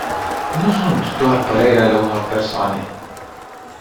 Nu sunt doar păreri ale unor persoane.